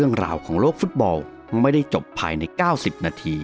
สวัสดีครับ